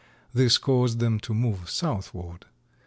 This caused them to move southward.